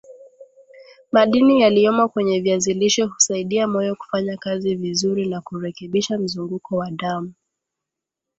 Madini yaliyomo kwenye viazi lishe husaidia moyo kufanyakazi vizuri na kurekebisha mzunguko wa damu